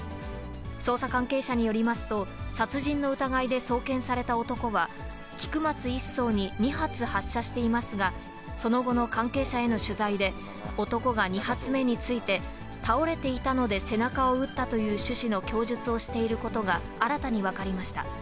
捜査関係者によりますと、殺人の疑いで送検された男は、菊松１曹に２発発射していますが、その後の関係者への取材で、男が２発目について、倒れていたので背中を撃ったという趣旨の供述をしていることが、新たに分かりました。